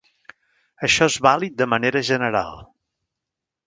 Això és vàlid de manera general.